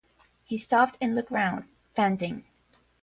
He stopped, and looked round, panting.